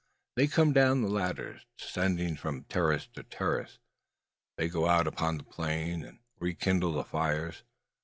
They come down the ladders, descending from terrace to terrace. They go out upon the plain, and rekindle the fires.